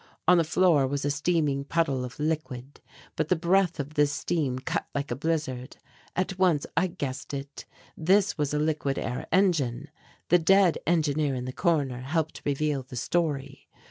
On the floor was a steaming puddle of liquid, but the breath of this steam cut like a blizzard. At once I guessed it. This was a liquid air engine. The dead engineer in the corner helped reveal the story.